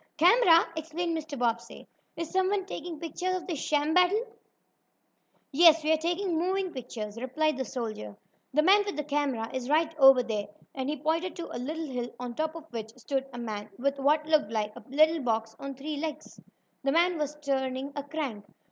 "Camera!" exclaimed Mr. Bobbsey. "Is someone taking pictures of this sham battle?" "Yes, we are taking moving pictures," replied the soldier. "The man with the camera is right over there," and he pointed to a little hill, on top of which stood a man with what looked like a little box on three legs. The man was turning a crank.